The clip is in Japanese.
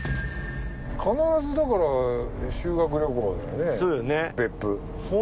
必ずだから修学旅行だよね別府。